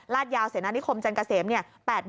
ลาดยาวเศรษฐนภนิคมจันทร์เกษมย์เนี่ย